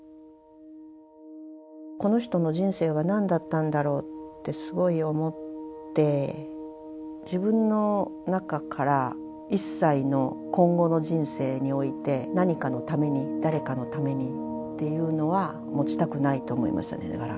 この人の人生は何だったんだろうってすごい思って自分の中から一切の今後の人生において何かのために誰かのためにっていうのは持ちたくないと思いましたね。